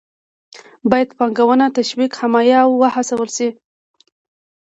باید پانګونه تشویق، حمایه او وهڅول شي.